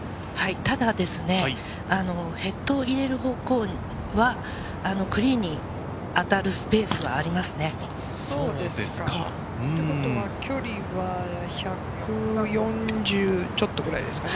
ただですね、ヘッドを入れる方向は、クリーンに当たるスペースはありますね。ってことは距離は、１４０ちょっとくらいですかね。